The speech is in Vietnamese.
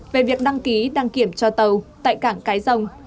về việc đăng ký đăng kiểm cho tàu tại cảng cái rồng